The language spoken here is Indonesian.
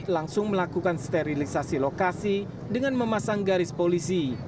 langsung melakukan sterilisasi lokasi dengan memasang garis polisi